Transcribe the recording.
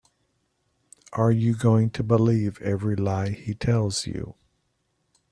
Are you going to believe every lie he tells you?